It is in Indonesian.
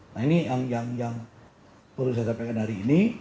nah ini yang perlu saya sampaikan hari ini